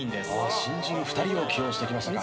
新人２人を起用してきましたか。